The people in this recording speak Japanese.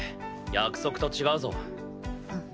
約束と違うぞ。